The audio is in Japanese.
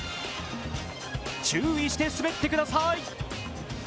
注意して滑ってください。